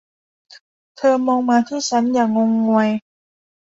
เธอมองมาที่ฉัน อย่างงงงวย